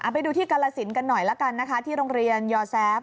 ไปดูที่กาลสินกันหน่อยละกันนะคะที่โรงเรียนยอแซฟ